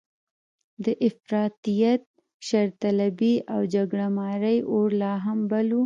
د افراطیت، شرطلبۍ او جګړه مارۍ اور لا هم بل و.